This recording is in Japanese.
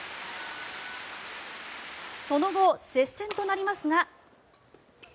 その後、接戦となりますが。